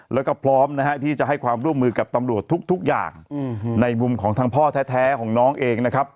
แล้วก็พร้อมนะฮะที่จะให้ความร่วมมือกับตำรวจทุกอย่างในมุมของทางพ่อแท้ของน้องเองนะครับ